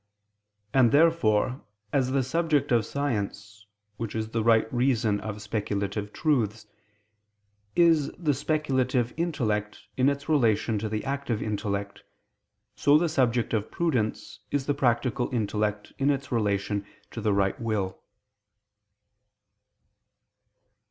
And therefore as the subject of science, which is the right reason of speculative truths, is the speculative intellect in its relation to the active intellect, so the subject of prudence is the practical intellect in its relation to the right will.